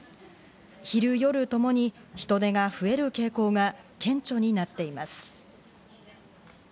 昼、夜ともに人出が増える傾向が顕著になっています。